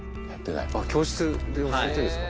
教室で教えてるんですか？